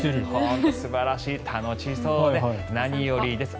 素晴らしい楽しそうで何よりです。